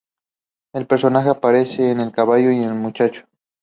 El personaje aparece en "El caballo y el muchacho".